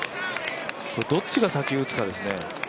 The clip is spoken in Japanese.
どっちが先に打つかですね。